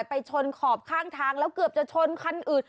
ไปชนขอบข้างทางแล้วเกือบจะชนคันอื่น